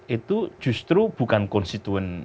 itu justru bukan konstituen